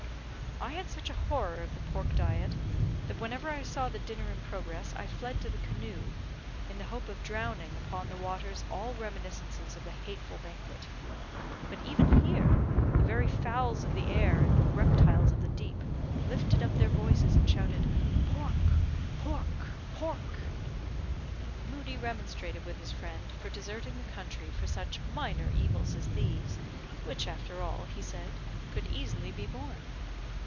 "I had such a horror of the pork diet, that whenever I saw the dinner in progress I fled to the canoe, in the hope of drowning upon the waters all reminiscences of the hateful banquet; but even here the very fowls of the air and the reptiles of the deep lifted up their voices, and shouted, 'Pork, pork, pork!'" M remonstrated with his friend for deserting the country for such minor evils as these, which, after all, he said, could easily be borne.